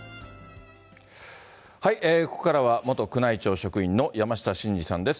ここからは元宮内庁職員の山下晋司さんです。